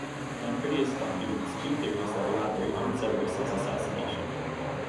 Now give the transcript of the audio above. Lampridius documents two theories that elaborate on Severus's assassination.